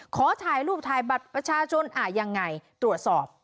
ขอถ่ายรูปถ่ายบัตรประชาชนยังไงตรวจสอบ